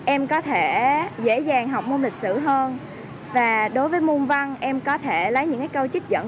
em có thể dễ dàng học môn lịch sử hơn và đối với môn văn em có thể lấy những câu trích dẫn